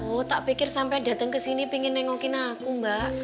oh tak pikir sampai datang kesini pingin nengokin aku mbak